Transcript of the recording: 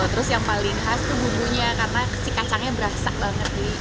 terus yang paling khas itu bubunya karena si kacangnya berasak banget